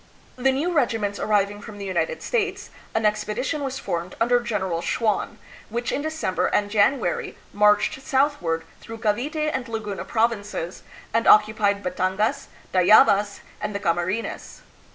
The new regiments arriving from the United States, an expedition was formed under Gen eral Schwan, which in December and January marched southward through Cavite and Laguna provinces and oc cupied Batangas, Tayabas, and the Camarines.